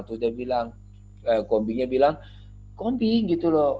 terus dia bilang kombinya bilang kombi gitu loh